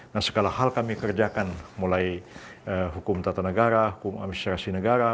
dan segala hal kami kerjakan mulai hukum tata negara hukum administrasi negara